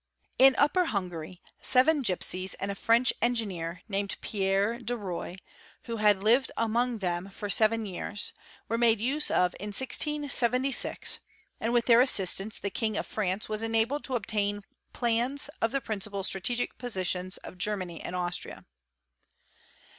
In Upper Hungary seven gipsies and a French Engineer named Pierre Durois (who had lived among them for se ven years) were made use of in 1676, and with their assistance the King || France was enabled to obtained plans of the principal strategic positio: of Germany and Austria.